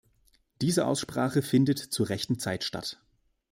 Diese Aussprache findet zur rechten Zeit statt.